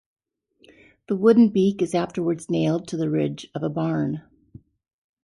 The wooden beak is afterwards nailed to the ridge of a barn.